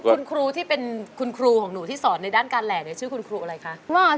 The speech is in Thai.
คุณครูที่เป็นคุณครูของหนูที่สอนในด้านการแหล่เนี่ยชื่อคุณครูอะไรคะ